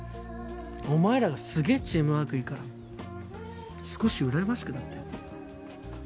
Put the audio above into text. お前らがすげえチームワークいいから少しうらやましくなって。